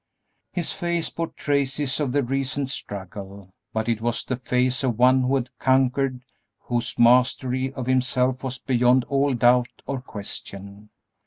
His face bore traces of the recent struggle, but it was the face of one who had conquered, whose mastery of himself was beyond all doubt or question.